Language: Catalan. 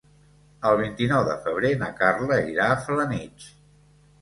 El vint-i-nou de febrer na Carla irà a Felanitx.